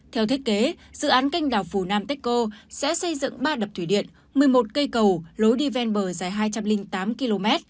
theo thiết kế dự án kênh đảo funantico sẽ xây dựng ba đập thủy điện một mươi một cây cầu lối đi ven bờ dài hai trăm linh tám km